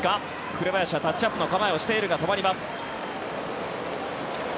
紅林はタッチアップの構えをしているが止まります。